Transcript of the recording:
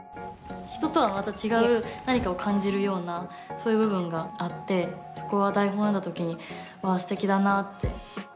人とはまた違う何かを感じるようなそういう部分があってそこは台本を読んだ時にわあすてきだなって。